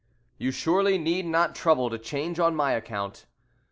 "You surely need not trouble to change on my account."